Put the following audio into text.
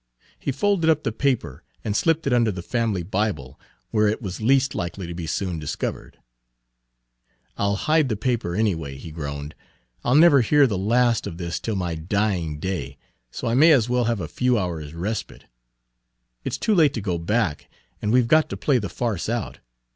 He folded up the paper and slipped it under the family Bible, where it was least likely to be soon discovered. "I'll hide the paper, anyway," he groaned. "I'll never hear the last of this till my dying day, so I may as well have a few hours' respite. It 's too late to go back, and we 've got to play the farce out.